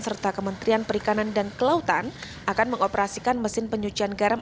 serta kementerian perikanan dan kelautan akan mengoperasikan mesin penyucian garam